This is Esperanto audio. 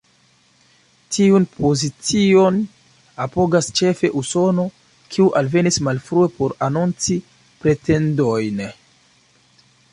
Tiun pozicion apogas ĉefe Usono, kiu alvenis malfrue por anonci pretendojn.